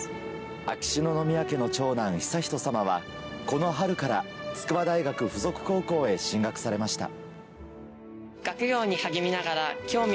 秋篠宮家の長男悠仁さまはこの春から筑波大学附属高校へ進学されました。